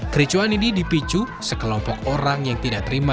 kericuan ini dipicu sekelompok orang yang tidak terima